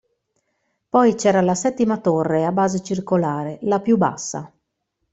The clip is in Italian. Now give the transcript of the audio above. Poi c'era la settima torre a base circolare, la più bassa.